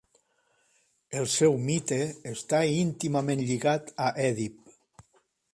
El seu mite està íntimament lligat a Èdip.